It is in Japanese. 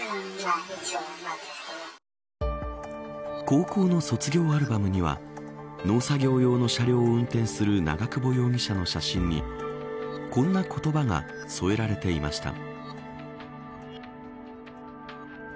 高校の卒業アルバムには農作業用の車両を運転する長久保容疑者の写真にこんな言葉が添えられていました。